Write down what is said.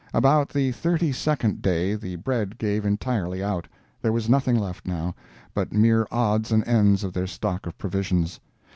About the thirty second day the bread gave entirely out. There was nothing left, now, but mere odds and ends of their stock of provisions.